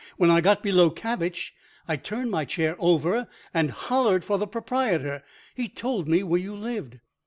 When I got below cabbage I turned my chair over and hollered for the proprietor. He told me where you lived."